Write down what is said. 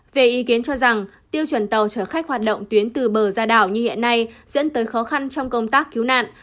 về ý kiến cho rằng tiêu chuẩn tàu chở khách hoạt động tuyến từ bờ ra đảo như hiện nay dẫn tới khó khăn trong công tác cứu nạn